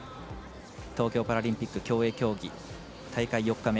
東京パラリンピック競泳競技大会４日目